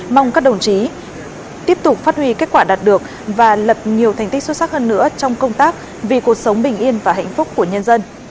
mong các đồng chí tiếp tục phát huy kết quả đạt được và lập nhiều thành tích xuất sắc hơn nữa trong công tác vì cuộc sống bình yên và hạnh phúc của nhân dân